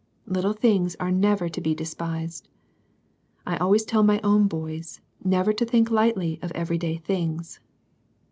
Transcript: Little things are never to be despised. I always tell my own boys never to think lightly of every day things.